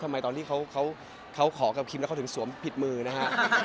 ทำไมตอนที่เขาขอกับคิมแล้วเขาถึงสวมผิดมือนะฮะ